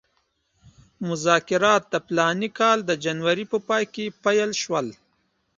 مذاکرات د فلاني کال د جنورۍ په پای کې پیل شول.